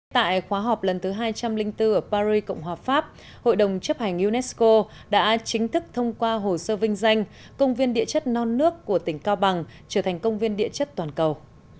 tại khóa họp lần thứ hai trăm linh bốn ở paris cộng hòa pháp hội đồng chấp hành unesco đã chính thức thông qua hồ sơ vinh danh công viên địa chất non nước của tỉnh cao bằng trở thành công viên địa chất toàn cầu